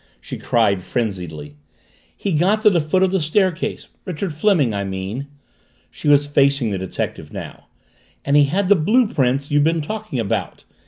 she cried frenziedly. "He got to the foot of the stair case Richard Fleming, I mean," she was facing the detective now, "and he had the blue print you've been talking about.